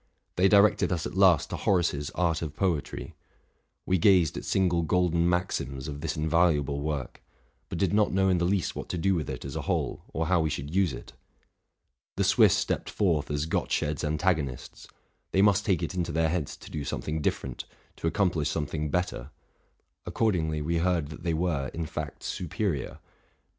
They directed us at last to Horace's '+ Art of Poetry:'' we gazed at single golden maxims of this in valuable work, but did not know in the least what to do with it as a whole, or how we should use it. The Swiss stepped forth as Gottsched's antagonists : they must take it into their heads to do something different, to accomplish something better; accordingly we heard that they were, in fact, superior.